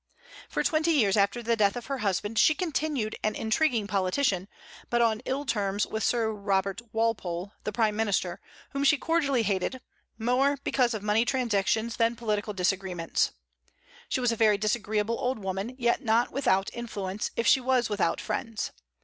For twenty years after the death of her husband she continued an intriguing politician, but on ill terms with Sir Robert Walpole, the prime minister, whom she cordially hated, more because of money transactions than political disagreement. She was a very disagreeable old woman, yet not without influence, if she was without friends.